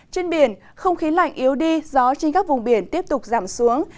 trên biển không khí lạnh yếu đi gió trên các vùng biển tiếp tục giảm xuống